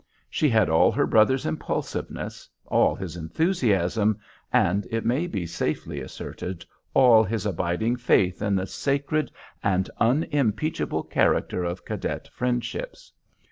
She had all her brother's impulsiveness, all his enthusiasm, and, it may be safely asserted, all his abiding faith in the sacred and unimpeachable character of cadet friendships.